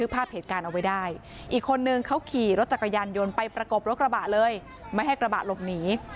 ไปประกบรถกระบะเลยไม่ให้กระบะหลบหนี